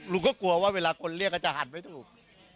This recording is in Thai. ก็กลัวว่าเวลาคนเรียกก็จะหันไม่ถูก